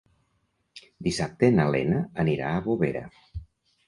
Dissabte na Lena anirà a Bovera.